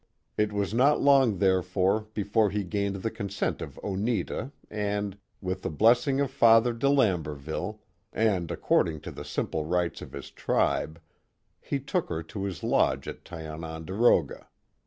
It was not long therefore before he gained the consent of Oneta and, with the blessing of Father De Lamberville, and according to the simple rites of his tribe, he took her to his lodge at Tiononderoga.